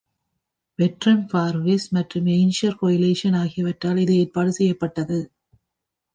Veteran for peace மற்றும் ANSWER coalition ஆகியவற்றால் இது ஏற்பாடு செய்யப்பட்டது.